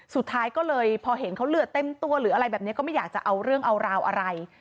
สุดท้ายเลยเผาเห็นเขาเลือดเต้มตัวก็ไม่ยากจะเอาเรื่องเอาราวอะไร